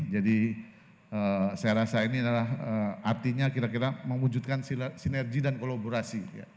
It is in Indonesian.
saya rasa ini adalah artinya kira kira mewujudkan sinergi dan kolaborasi